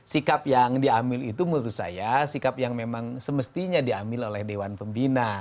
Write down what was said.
sikap yang diambil itu menurut saya sikap yang memang semestinya diambil oleh dewan pembina